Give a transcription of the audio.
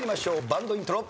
バンドイントロ。